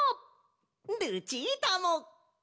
ルチータも！